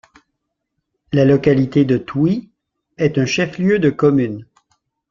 La localité de Touih est un chef-lieu de commune.